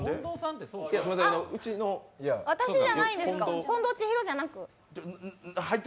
あっ、私じゃないんですか近藤千尋じゃなくて？